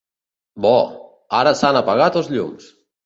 Bo: ara s'han apagat els llums!